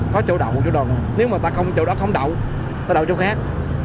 có chỗ đậu chỗ đậu nếu mà chỗ đó không đậu người ta đậu chỗ khác